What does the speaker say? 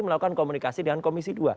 melakukan komunikasi dengan komisi dua